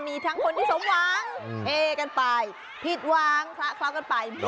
มีทั้งคนที่สมหวังเฮกันไปผิดหวังคละเคราะห์กันไป